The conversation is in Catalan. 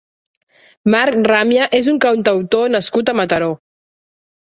Marc Ràmia és un cantautor nascut a Mataró.